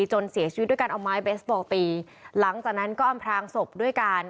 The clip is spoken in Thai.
จนเสียชีวิตด้วยการเอาไม้เบสบอลตีหลังจากนั้นก็อำพลางศพด้วยการ